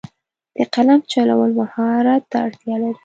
د قلم چلول مهارت ته اړتیا لري.